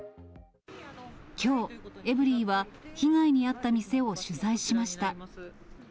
きょう、エブリィは被害に遭った店を取材しました。